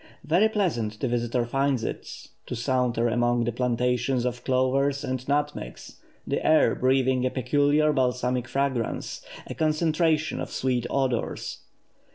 Very pleasant the visitor finds it, to saunter among the plantations of cloves and nutmegs, the air breathing a peculiar balsamic fragrance, a concentration of sweet odours.